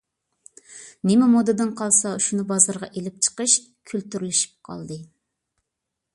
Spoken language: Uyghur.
نېمە مودىدىن قالسا شۇنى بازارغا ئېلىپ چىقىش كۈلتۈرلىشىپ قالدى.